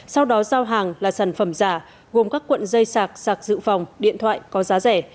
sau đó giao hàng là sản phẩm giả gồm các cuộn dây sạc sạc dự phòng điện thoại có giá rẻ